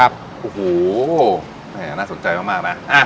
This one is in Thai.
โอ้โหแม่น่าสนใจมากนะ